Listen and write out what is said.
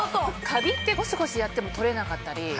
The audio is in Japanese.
カビってゴシゴシやっても取れなかったり。